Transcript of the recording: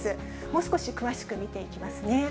もう少し詳しく見ていきますね。